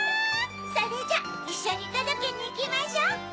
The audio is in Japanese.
それじゃいっしょにとどけにいきましょ！